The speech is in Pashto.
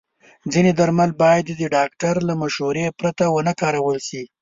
ځینې درمل باید د ډاکټر له مشورې پرته ونه کارول شي.